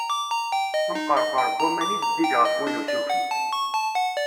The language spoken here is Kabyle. Amqerqur n waman i zeddig ɣef win usuki.